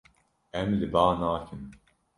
Em li ba nakin.